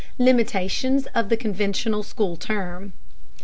LIMITATIONS OF THE CONVENTIONAL SCHOOL TERM.